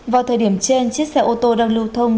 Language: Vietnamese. vào thời điểm trên chiếc xe ô tô đang lưu thông